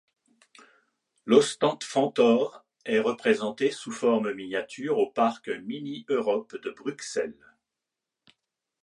L'Osthofentor est représentée sous forme miniature au parc Mini-Europe de Bruxelles.